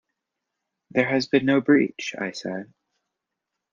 "There has been no breach," I said.